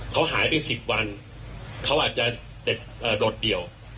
เขาหายไป๑๐วันเขาอาจจะโดดเดี่ยว